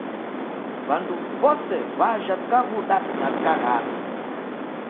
W'andu w'ose w'aja w'ikaghuda na w'ikaghala